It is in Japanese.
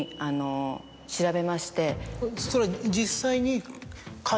それは実際に。